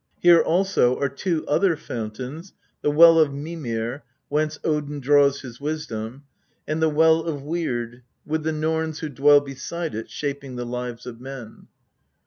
Here also are two other fountains the well of Mimir, whence Odin draws his wisdom, and the well of Weird, with the Norns who dwell beside it shaping the lives of men.